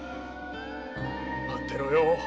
待ってろよ。